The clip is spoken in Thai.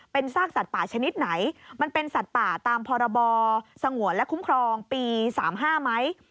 เป็นซากสัตว์ป่าชนิดไหนมันเป็นสัตว์ป่าตามพรบสงวนและคุ้มครองปี๓๕ไหม